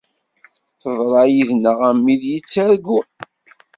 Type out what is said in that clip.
Teḍra yid-neɣ am wid yettargun.